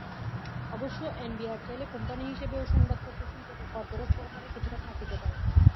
অবশ্য এনবিআর চাইলে কোম্পানি হিসেবেও সংবাদপত্রশিল্পকে করপোরেট করহারে কিছুটা ছাড় দিতে পারে।